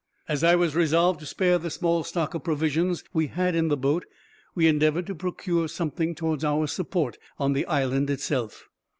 As I was resolved to spare the small stock of provisions we had in the boat, we endeavored to procure something towards our support on the island itself.